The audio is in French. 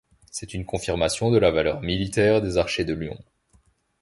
C'est une confirmation de la valeur militaire des Archers de Lyon.